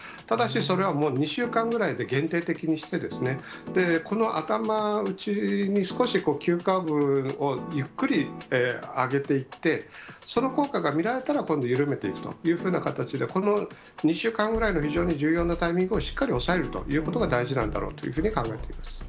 ただし、それはもう２週間ぐらいで限定的にして、で、この頭打ちに少し急カーブをゆっくり上げていって、その効果が見られたら、今度緩めていくという形で、この２週間ぐらいの非常に重要なタイミングをしっかり抑えるということが、大事なんだろうというふうに考えています。